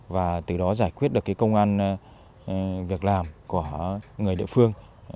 và từ đó giải quyết được cái công an việc làm của người địa phương